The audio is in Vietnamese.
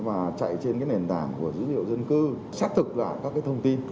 và chạy trên nền tảng của dữ liệu dân cư xác thực lại các cái thông tin